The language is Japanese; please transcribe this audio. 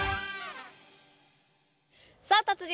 さあ達人！